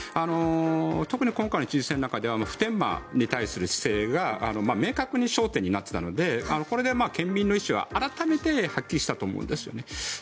特に今回の知事選の中では普天間に対する姿勢が明確に焦点になっていたのでこれで県民の意思は改めてはっきりしたと思うんですよね。